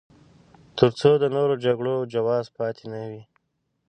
تر څو د نورو جګړو جواز پاتې نه وي.